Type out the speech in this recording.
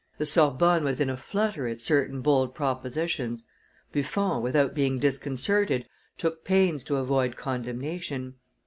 The Sorbonne was in a flutter at certain bold propositions; Buffon, without being disconcerted, took pains to avoid condemnation.